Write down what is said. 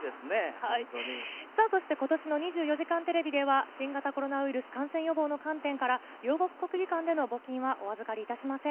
そして、ことしの２４時間テレビでは、新型コロナウイルス感染予防の観点から、両国国技館での募金はお預かりいたしません。